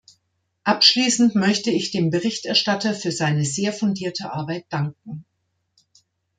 Abschließend möchte ich dem Berichterstatter für seine sehr fundierte Arbeit danken.